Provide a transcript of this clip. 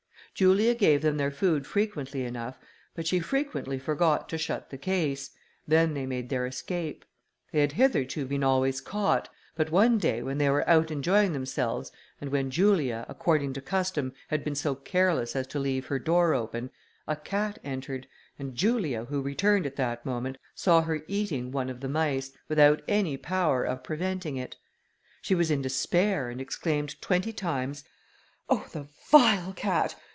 Julia gave them their food frequently enough, but she frequently forgot to shut the case; then they made their escape. They had hitherto been always caught, but one day, when they were out enjoying themselves, and when Julia, according to custom, had been so careless as to leave her door open, a cat entered, and Julia, who returned at that moment, saw her eating one of the mice without any power of preventing it. She was in despair, and exclaimed twenty times, "Oh! the vile cat!